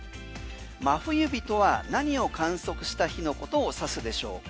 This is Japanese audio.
真冬日とは何を観測した日のことを指すでしょうか。